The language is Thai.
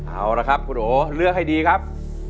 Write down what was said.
เอาละครับคุณโอเลือกให้ดีครับ